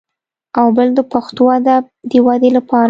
او بل د پښتو ادب د ودې لپاره